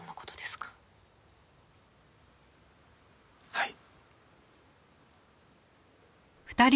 はい。